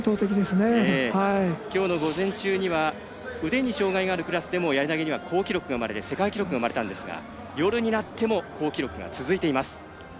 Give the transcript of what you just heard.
きょうの午前中には腕に障がいがあるクラスでもやり投げには好記録、世界記録が生まれたんですが夜になっても好記録が続いています。